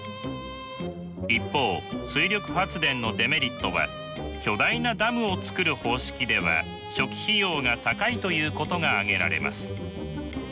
一方水力発電のデメリットは巨大なダムをつくる方式では初期費用が高いということが挙げられます。